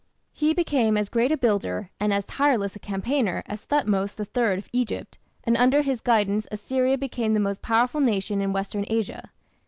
He became as great a builder, and as tireless a campaigner as Thothmes III of Egypt, and under his guidance Assyria became the most powerful nation in Western Asia.